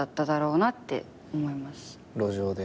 路上で。